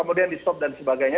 kemudian di stop dan sebagainya